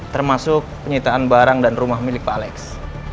termasuk penyitaan barang dan rumah milik pak alex